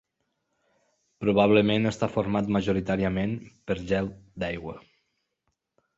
Probablement està format majoritàriament per gel d'aigua.